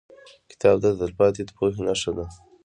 کتاب د تلپاتې پوهې نښه ده.